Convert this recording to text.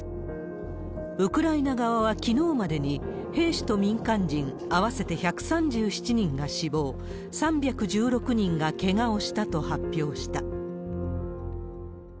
ウクライナ側はきのうまでに、兵士と民間人合わせて１３７人が死亡、３１６人がけがをしたと発表した。